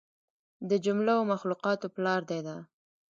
د جمله و مخلوقاتو پلار دى دا.